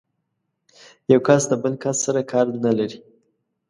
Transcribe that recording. يو کس د بل کس سره کار نه لري.